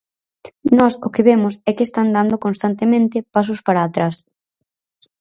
Nós o que vemos é que están dando constantemente pasos para atrás.